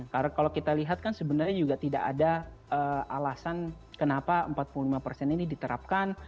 karena kalau kita lihat kan sebenarnya juga tidak ada alasan kenapa empat puluh lima ini diterapkan